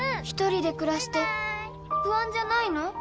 一人で暮らして不安じゃないの？